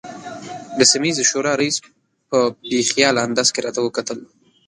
د سیمه ییزې شورا رئیس په بې خیاله انداز کې راته وکتل.